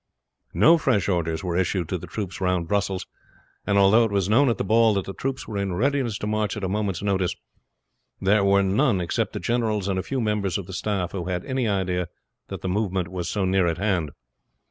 No fresh orders were issued to the troops round Brussels; and although it was known at the ball that the troops were in readiness to march at a moment's notice, there were none except the generals and a few members of the staff who had an idea that the moment was so near at hand.